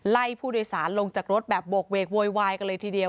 ไล่ผู้โดยสารลงจากรถแบบโบกเวกโวยวายกันเลยทีเดียว